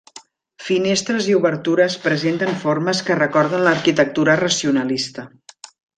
Finestres i obertures presenten formes que recorden l'arquitectura racionalista.